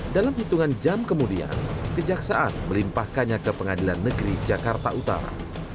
dalam hitungan jam kemudian kejaksaan melimpahkannya ke pengadilan negeri jakarta utara